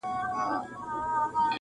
نو یې ووېشل ډوډۍ پر قسمتونو!!